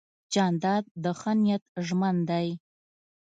جانداد د ښه نیت ژمن دی.